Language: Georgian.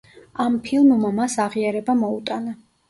ამ ფილმმა მას აღიარება მოუტანა.